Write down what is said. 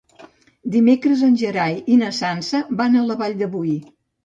Dimecres en Gerai i na Sança van a la Vall de Boí.